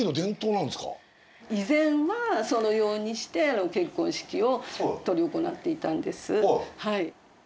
以前はそのようにして結婚式を執り行っていたんです。